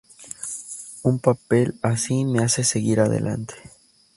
Un papel así me hace seguir adelante".